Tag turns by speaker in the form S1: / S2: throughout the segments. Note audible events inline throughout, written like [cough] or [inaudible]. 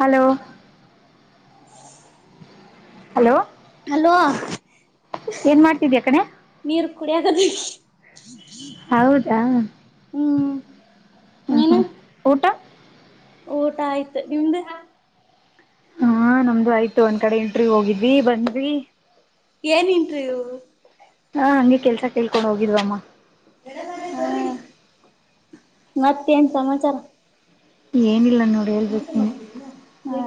S1: Hello hello
S2: hello
S1: ಏನ್ ಮಾಡ್ತಿದ್ಯಾ ಕಣೆ
S2: ನೀರು ಕುಡಿಯಕ [inaudible]
S1: ಹೌದಾ ಹ್ಮ್ ಹ್ಮ್ ಊಟಾ.
S2: ಊಟಾ ಆಯ್ತ ನಿಮ್ದ?
S1: ಹಾ ನಮ್ದು ಆಯ್ತು ಒಂದ್ ಕಡೆ ಇಂಟ್ರ್ ಹೋಗಿದ್ ಬಿ ಬಂದವಿ.
S2: ಏನ್ ಇಂಟ್ರ್ವೀವ್
S1: ಹಾ ಹಂಗೆ ಕೆಲ್ಸ ಕೇಳ್ಕೊಂಡ್ ಹೋಗಿಧ್ವಮ್ಮಾ. ಎಲ್ಲ ಬರ್ರಿ
S2: ಮತ್ತೇನ್ ಸಮಾಚಾರ
S1: ಏನಿಲ್ಲ ನ ನೋಡ್ ಹೇಳ್ಬೇಕ್ ನೀನು
S2: ಹಾ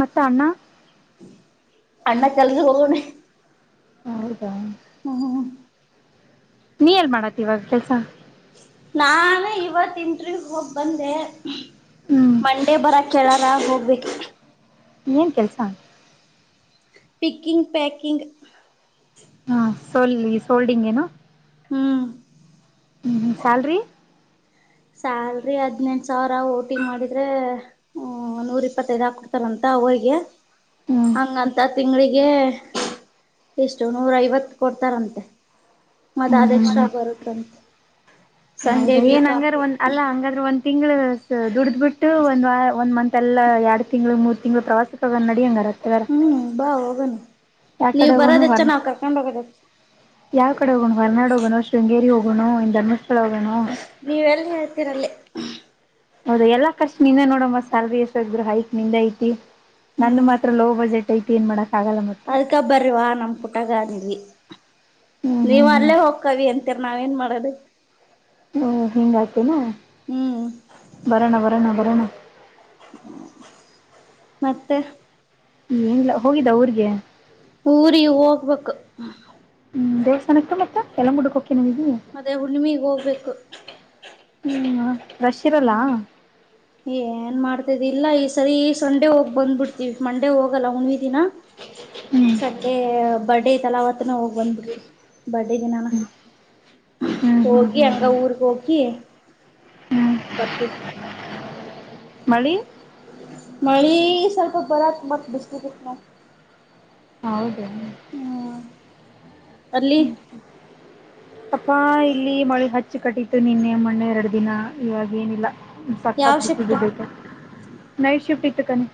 S1: ಮತ್ತ ಅಣ್ಣಾ.
S2: ಅಣ್ಣ ಕೆಲ್ಸ ಹೋಗಣ
S1: ಹೌದಾ
S2: ಹ್ಮ ಹ್ಮ್ ಹ್ಮ್
S1: ನೀ ಎಲ್ ಮಾಡತ್ತಿ ಇವಾಗ ಕೆಲ್ಸಾ.
S2: ನಾನ ಇವತ್ ಇಂಟ್ರವ್ಯೂ ಹೋಗ್ ಬಂದೆ
S1: ಹ್ಮ್
S2: ಮಂಡೇ ಬರಾ ಕೇಳಾರಾಗ್ ಹೋಗ್ಬೇಕ
S1: ಏನ್ ಕೆಲ್ಸಾ.
S2: Picking packing.
S1: ಹಾ ಸಲ್ಲಿ ಸೋಲ್ಡಿಗೇನು
S2: ಹ್ಮ್
S1: ಹ್ಮ ಸ್ಯಾಲ್ರಿ
S2: ಸ್ಯಾಲ್ರಿ ಹದ್ನೆಂಟ ಸಾವಿರ ಓಟಿ ಮಾಡಿದ್ರೆ ಹ ನೂರ ಇಪ್ಪತ್ತೈದ್ ಹಾಕ ಕೊಡ್ತಾರಂತ ಅವಿಗೆ
S1: ಹ್ಮ್
S2: ಹಂಗಂತ ತಿಂಗಳಿಗೆ ಎಷ್ಟು ನೂರ ಐವತ್ತು ಕೊಡ್ತಾರಂತೆ ಮತ್ತ
S1: ಹ್ಮ್
S2: ಅದ್
S1: ಹ್ಮ್
S2: ಎಕ್ಸ್ಟ್ರಾ
S1: ಹ್ಮ್
S2: ಬರುತ್ತಂತೆ ಸಂಡೇ ವೀಕಾ
S1: ಒನ್ ಅಲ್ಲಾ ಹಂಗಾದ್ರೆ ಒನ್ ತಿಂಗಳ ಸ ದುಡ್ದ್. ಬಿಟ್ಟು ಒಂದ್ ಒಂದ ಮಂತ್ ಅಲ್ಲಾ ಯಾಡ್ ತಿಂಗ್ಳ ಮೂರ್ ತಿಂಗ್ಳ್ ಪ್ರವಾಸಕ್ಕೊಗನಡಿ ಅಂಗರ.
S2: ಹ್ಮ್ ಬಾ ಹೋಗಣ. ನೀವ್
S1: ಯಾಕಡೆ ಹೋಗ್ನು
S2: ಬರೋದ ಹೆಚ್ಚ
S1: ಹೊರ್
S2: ನಾವ್ ಕರ್ಕೊಂಡ್ ಹೋಗೋದ ಹೆಚ್ಚ
S1: ಯಾವ್ಕಡೆ ಹೋಗ್ನು ಹೊರ್ನಾಡು ಹೋಗೊನ್ ಶೃಂಗೇರಿ ಹೋಗ್ ನ್ ಏನ್ ಧರ್ಮಸ್ಥಳ್
S2: ನೀವೆಲ್ಲಿ ಹೇಳ್ತೀರಲ್ಲಿ.
S1: ಹೌದೆಲ್ಲಾ ಕರ್ಷ್ಟ್ ನಿಂದೆನೋಡಮ್ಮ ಸ್ಯಾಲ್ರಿ ಎಷ್ಟ್ರರು ಹೈಕ್ ನಿಂದ ಐತಿ ನಂದ್
S2: ಹ್ಮ್
S1: ಮಾತ್ರ ಲೋ ಬಜೆಟ್ ಐ ತೀನ್ ಮಾಡ್
S2: ಅದ್ಕ ಬರ್ರಿವಾ ನಮ್ ಪುಟಾಗ ಅಂದ್ವಿ.
S1: ಹ್ಮ್ ಹ್ಮ್
S2: ನೀವ್
S1: ಹ್ಮ್
S2: ಅಲ್ಲೇ ಹೋಕ್ಕವಿ ಅಂತೀರ್ ನಾವೇನ್ ಮಾಡದ್.
S1: ಹ್ಮ ಹಿಂಗಾಯ್ತೀನ್
S2: ಹ್ಮ್
S1: ಬರಣ ಬರಣ ಬರಣ.
S2: ಮತ್ತೆ
S1: ಏನ್ಲ್ ಹೋಗಿದ್ದ ಊರ್ಗೆ.
S2: ಊರಿಗ ಹೋಗ್ಬೇಕು.
S1: ಹ್ಮ್ ದೇವಸ್ಥಾನಕ್ಕ್ ಮತ್ತ್ ಯೆಲ್ಮಮ್ಗಡ್ಕ್ ಕೊ
S2: ಮತ್ತೆ ಹುಣ್ಮಿಗ್ ಹೋಗ್ಬೇಕು.
S1: ಹ್ಮಞ ಫ್ರೆಶ್ಶಿರಲ್ಲ.
S2: ಹ್ಮ್ ಏನ್ ಮಾಡ್ತದಿಲ್ಲ ಈ ಸರಿ ಸಂಡೆ ಹೋಗ್ ಬಂದ್ಬಿಡ್ತೀವಿ ಮಂಡೇ ಹೋಗಲ್ಲ ಹುಣ್ವಿ ದಿನ.
S1: ಹ್ಮ್
S2: ಸಂಡೆ ಬಡ್ ತಲಾವತ್ನ ಹೋಗ್ ಬಂದ್ಬಿಡ್ರ್. ಬಡ್ಡಿದಿನಾನ
S1: ಹ್ಮ್
S2: [inaudible]
S1: ಹ್ಮ್
S2: ಹೋಗಿ
S1: ಹ್ಮ್
S2: ಹಂಗ
S1: ಹ್ಮ್
S2: ಊರ್ಗ್ಹೋಗಿ
S1: ಹ್ಮ್
S2: [inaudible] ಬತ್ರ್
S1: ಮಳಿ [inaudible]
S2: ಮಳೀ ಸ್ವಲ್ಪತ್ ಬರ್ತ್ತ್ ಮಂತ್ ಬಿಸ್ಲಿಬಿತ್ನ್
S1: ಹೌದ್.
S2: ಹ್ಂ [inaudible] ಅಲ್ಲಿ
S1: ಅಪ್ಪಾ ಇಲ್ಲಿ ಮಳಿಹಚ್ಚಿ ಕಟಿತ್ತು ನಿನ್ನೆ ಮೊಣ್ಣೆ ಎರಡ್ದಿನ ಇವಾಗೆನಿಲ್ಲ.
S2: ಯಾವ
S1: ಸಕತ್ ಬಿಸ್ಲ್
S2: ಶಿಫ್ಟ್
S1: ಬಿದೈತ್ ನೈಟ್ ಶಿಫ್ಟ್ [unintelligible]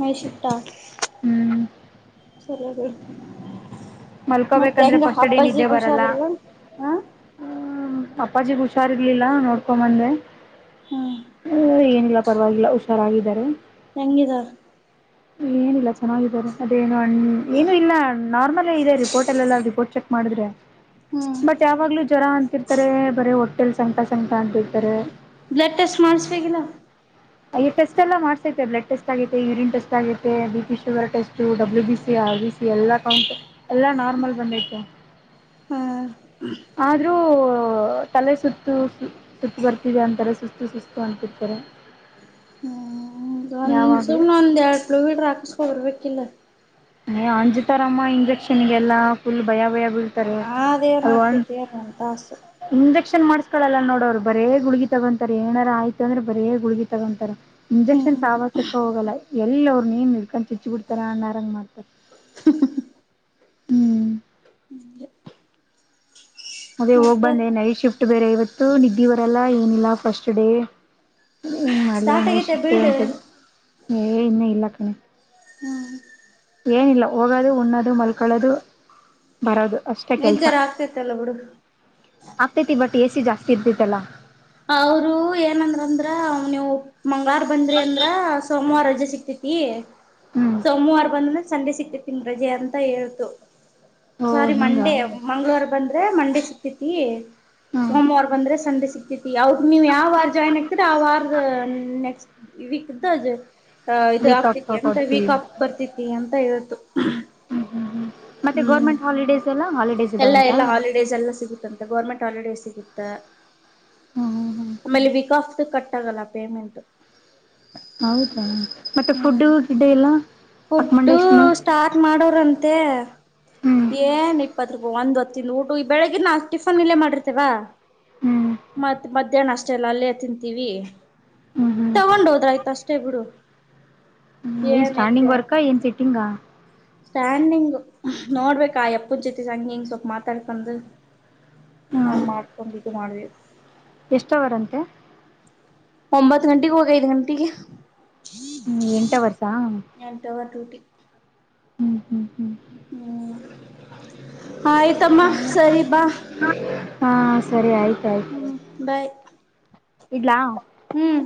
S2: ನೈಟ್ ಶಿಫ್ಟ್ ಆಗ್
S1: ಹ್ಮ್
S2: ಸರಿರಿ ಮತ್ತ
S1: ಮಲ್ಕೋಬೇಕಂದ್ರೆ
S2: ಹೆಂಗ
S1: ಫಸ್ಟ್ ಡೇ ನಿದ್ದೆ
S2: ಹಪ್ಪಾಜಿಗ
S1: ಬರಲ್ಲ
S2: ಹುಷಾರೀಲ್ಲಾ ಹಾ
S1: ಅಪ್ಪಾಜಿಗ್ ಹುಷಾರ್ರ್ಲಿಲ್ಲ ನೋಡ್ಕೊಂಬಂದೆ
S2: ಹ್ಮ್
S1: ಹ್ಮ ಏನಿಲ್ಲ ಪರವಾಗಿಲ್ಲ ಹುಷಾರಾಗಿದ್ದ ದರೆ
S2: ಎಂಗಿದಾ
S1: ಇಲ್ಲ್ ಏನಿಲ್ಲಾ ಚೆನ್ನಾಗಿದ್ದಾರೆ ಅದೇನು ಹ್ಮ ಏನು ಇಲ್ಲಾ ನಾರ್ಮಲ್ಲೇ ಇದೆ ರಿಪೋರ್ಟ್ಲ್ಲೆಲ್ಲ ರಿಪೋರ್ಟ್ ಚೆ ಮಾಡಿದ್ರ್ಯಾ
S2: ಹ್ಮ್
S1: ಮತ್ ಯಾವಾಗ್ಲೂ ಜ್ವರ ಅಂತಿರ್ತಾರೆ ಬರೇ ಹೊಟ್ಟ ಕೆಲ್ಸಮ್ ಕೆಳಸಮ್ ಆಡ್ತಿರ್ತಾರೆ.
S2: ಬ್ಲಡ್ ಟೆಸ್ಟ್ ಮಾಡಸ್ಬೇಕಿಲ್ಲೋ
S1: ಅಯ ಟೆಸ್ಟ್ ಎಲ್ಲ ಮಾಡಸೈತೆ ಬ್ಲಡ್ ಟೆಸ್ಟ್ ಆಗೈತೆ ಯೂರಿನ್ ಟೆಸ್ಟ್ ಆಗೈತೆ B P sugar test W B C R B C ಎಲ್ಲಾ ಕೌಂಟ್ ಎಲ್ಲಾ ನಾರ್ಮಲ್ ಬಂದೈತೇ
S2: ಹ್ಮ್
S1: ಆದ್ರೂ ತಲೆ ಸುತ್ತು ಸುತ್ತು ಬರ್ತಿದೆ ಅಂತಾರೆ ಸುಸ್ತು ಸುಸ್ತು ಅಂತಿರ್ತಾರೆ
S2: ಹ್ಮ ಒಂದ
S1: ಯಾವಾಗಲೂ
S2: ಸುಮ್ನ್ ಒಂದ ಹಾಕ್ಸಬಿಡ್ಬೇಕ್ ಕಿಲ್ಲ.
S1: ಏ ಅಂಜತಾರಮ್ಮ ಇಂಜೆಕ್ಷನ್ಗೆಲ್ಲಾ ಫುಲ್ ಬಯಾ ಬಯಾ
S2: ಹಾ ಅದೇನ್ ಆಗ್ತೇತಿ ಎನ್ ಒಂದ ತಾಸ
S1: ಮಕ್ಕಳೆಲ್ಲ ನೋಡ ಅವರ ಬರೇ ಗುಳಗಿ ತಗೊಂತಾರ ಏನಾರ ಆಯತ ಅಂದ್ರೆ ಬರೇ ಗುಳಗಿ ತಗೊಂತಾರ ಇಂಜೆಕ್ಷನ್ ಸವಾಸಕ್ಕ ಹೋಗಲ್ಲಾ. ಎಲ್ಲಿ ಅವರ್ ಎನ್ ಇಡ್ಕೊಂಡು ಚುಚ್ಚಿ ಬಿಡ್ತಾರಾ ಅಣ್ಣಾರಂಗ್ ಮಾಡ [inaudible]
S2: [inaudible]
S1: ಅದೇ ಹೋಗ್
S2: ಮತ್ತೆ
S1: ಬಂದೆ ನೈಟ್ ಶಿಫ್ ಬೇರೆ ಇವತ್ತು ನಿದ್ದಿ ಬರಲ್ಲಾ ಏನಿಲ್ಲಾ ಫಸ್ಟ್ ಡೇ ಹ್ಮ
S2: ಸ್ಟಾರ್ಟ್ ಆಗೈತೆ ಬಿಲ್ಡ್
S1: ಮಾಡಣಷಂತ ಏ ಇನ್ನು ಇಲ್ಲಾ ಹ್ಮ್
S2: ಹ್ಮ್
S1: ಏನಿಲ್ಲಾ ಒಗೋದು ಉಣ್ಣೋದು ಮಲ್ಕೊಳ್ಳೋದು ಬರೋದು ಅಷ್ಟೇ ಕೆಲ್ಸ
S2: ನಿದ್ದೆರ ಆಗ್ತೈತಲ್ಲ ಬಿಡು
S1: ಆಗ್ತೇತಿ ಬಟ್ ಎಸಿ ಜಾಸ್ ಯಬ್ಬಿತ್ತಲ್ಲಾ.
S2: ಅವರು ಏನಂದ್ರಂದ್ರ ಅವ ನೀವು ಮಂಗಳಾರ ಬಂದ್ರಿ ಅಂದ್ರ ಸೋಮವಾರ ಅ ಸಿಗ್ತತಿ
S1: ಹ್ಞೂ
S2: ಸೋಮವಾರ ಬಂದ ಸಂಡೆ ಸಿಕ್ ಇವತ್ ನಿಮ್ ರಜೆ ಅಂತ ಹೇಳ್ತು.
S1: ಓ
S2: ಸ್ವಾರಿ
S1: ಹಿಂಗಾ
S2: ಮಂಡೇ ಮಂಗಳವಾರ ಬಂದ್ರೆ ಮಂಡೆ ಸಿ ತಿತಿ
S1: ಹ್ಞೂ
S2: ಸೋಮವಾರ ಬಂದ್ರೆ ಸಂಡೆ ಸಿಕ್ಕ ಅವರ ನೀವ್ ಯಾವ ವಾರ ಜಾಯ್ನ್ ಆಗ್ತರಿ ಆ ವಾರದ ನೆಕ್ಸ್ಟ್ ವಿಕ್ ದಜ. ತ ಇದು
S1: ವೀಕ್ ಆಫ್
S2: ಆಗ್ತತಿ ಎಂತ ವೀಕ್
S1: ಕೊಡ್ತೀವಿ
S2: ಆಫ್ ಬರ್ತತಿ ಅಂತ ಹೇ [inaudible]
S1: ಮತ್ತೆ ಗೌರ್ಮೆಂಟ್ ಹಾಲಿಡೇಸ್ ಎಲ್ಲಾ ಹಾಲಿಡೇಸ್.
S2: ಎಲ್ಲಾ
S1: ಇದಾವಂತ
S2: ಎಲ್ಲಾ
S1: ಹ್ಞೂ
S2: ಹಾಲಿಡೇಸ್ ಎಲ್ಲಾ ಸಿಗುತ್ತಂತೆ ಗೌರ್ಮೆಂಟ್ ಹಾಲಿಡೇ ಸಿಗುತ್ತ
S1: ಹ್ಞೂ ಹ್ಞೂ
S2: ಆಮೇಲೆ ವಿಕ ಆಫ್ ತ್ತು ಕಟ್ಟಾಗಲ್ಲಾ ಪೇಮೆಂಟು.
S1: ಹೌದಾ ಮತ್ತೆ ಫುಡ್ದು ಗಿಡ್ಡು ಎಲ್ಲಾ.
S2: ಫುಡ್ಡು ಸ್ಟಾರ್ಟ್ ಮಾಡೋರಂತೆ
S1: ಹ್ಞೂ
S2: ಏನ್ ಇಪ್ಪತ್ ಹ ಒಂದ್ ಹೊತ್ತಂದು ಊಟು ಈ ಬೆಳಗ್ಗಿನ ನಾವು ಟಿಫನ್ ಇಲ್ಲೇ ಮಾಡಿರ್ತೇವಾ.
S1: ಹ್ಞೂ
S2: ಮತ್ ಮತ್ತೆ ಮಧ್ಯಾಹ್ನ ಅಷ್ಟೇಲ್ಲ ಅಲ್ಲೇ ತಿಂತೀವಿ
S1: ಹ್ಞೂ ಹ್ಞೂ
S2: ತುಗೊಂಡ ಹೋದ್ರಯ್ತ ಅಷ್ ಕೆ ಬಿಡು ಏನ್
S1: ವರ್ಕಾ ಏನ್ ಸಿಟ್ಟಿಂಗಾ.
S2: ಸ್ಟ್ಯಾಂಡಿಂಗು ನೋಡ್ಬೇಕಾ ಎಪ್ಪನ್ ಜೊತೆ ಸಂಂಗ ಹಿಂಗ್ ಸ್ವಪ ಮಾತಾಡ್ಕೊಂಡ ನ
S1: ಹ್ಮ್
S2: ಮಾಡ್ಕೊಂಡ್ ಇದು ಮಾಡ್ಬೇಕ.
S1: ಎಷ್ಟ ವರಂತೆ.
S2: ಒಂಬತ್ತ ಗಂಟೆಗೆ ಹೋಗಿ ಐದು ಗಂಟೆಗೆ
S1: ಹ್ಮ ಎಂಟ ಅವರ್ಸ.
S2: ಎಂಟ ಅವರ್ ಡ್ಯೂಟಿ
S1: ಹ್ಮ್ ಹ್ಮ್ ಹ್ಮ್
S2: ಹ್ಮ್ ಆಯ್ತಮ್ಮ ಸರಿ ಬಾ.
S1: ಹಾ ಸರಿ ಆಯ್ತ ಆಯ್ತು
S2: ಹ್ಮ್ ಬಾಯ್.
S1: ಇಡ್ಲಾ.
S2: ಹ್ಮ್